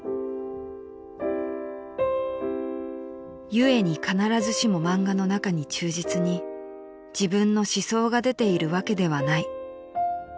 ［「故に必ずしも漫画の中に忠実に自分の思想が出ているわけではない」］